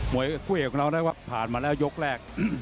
มวยกับผู้เหล่าน้องผ่านมาแล้วยกแรก